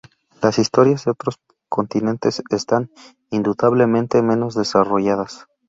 Las historias de otros continentes están indudablemente menos desarrolladas.